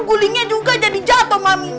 gulingnya juga jadi jatuh mami